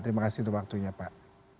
terima kasih untuk waktunya pak